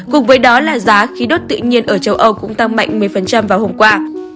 cùng với đó là giá khí đốt tự nhiên ở châu âu cũng tăng mạnh một mươi vào hôm qua